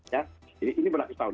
jadi ini berlaku setahun